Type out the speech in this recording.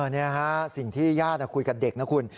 นี่ฮะสิ่งที่ญาติคุยกับเด็กนะคุณ